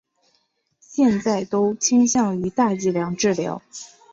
现在都倾向于大剂量治疗。